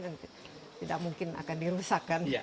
dan tidak mungkin akan dirusakkan